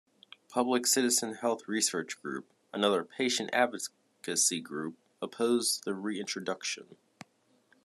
Public Citizen Health Research Group, another patient advocacy group, opposed the reintroduction.